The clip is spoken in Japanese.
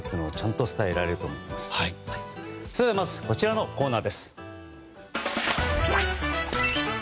それではまずこちらのコーナーです。